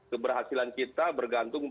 keberhasilan kita bergantung